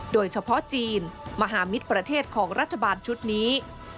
โดยเฉพาะจีนมหามิตรประเทศของรัฐบาลชุดนี้